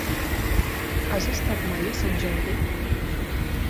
Has estat mai a Sant Jordi?